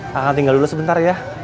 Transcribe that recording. tanggal tinggal dulu sebentar ya